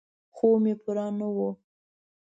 خوب مې پوره نه و.